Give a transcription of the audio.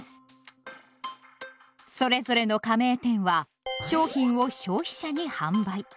それぞれの加盟店は商品を消費者に販売。